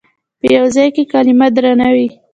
په یوه ځای کې کلمه درنه وي.